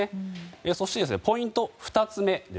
そして、ポイント２つ目。